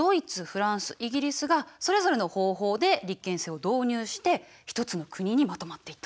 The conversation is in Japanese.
フランスイギリスがそれぞれの方法で立憲制を導入して一つの国にまとまっていったの。